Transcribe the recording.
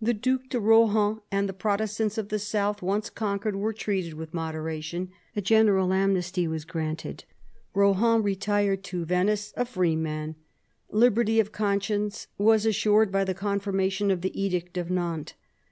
The Due de Rohan and the Protestants of the south, once conquered, were treated with moderation. A general amnesty was offered : Rohan retired to Venice, a free man. Liberty of conscience was assured by the confirmation of the Edict of Nantes.